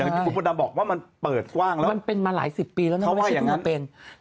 กูประมาณบอกว่าเป็นมาหลายสิบปีแล้วไม่ใช่ถูกเต็ม